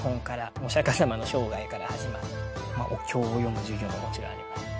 お経を読む授業ももちろんあります。